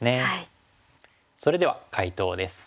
それでは解答です。